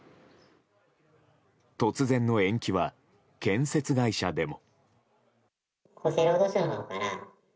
突然の延期は建設会社でも。